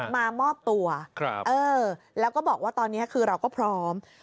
มามอบตัวแล้วก็บอกว่าตอนนี้คือเราก็พร้อม